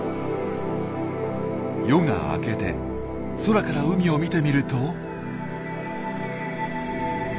夜が明けて空から海を見てみると。